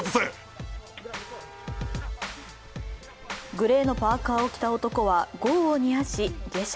グレーのパーカーを着た男は業を煮やし下車。